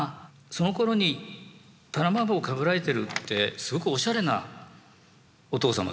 そのころにパナマ帽かぶられてるってすごくおしゃれなお父様ですよね。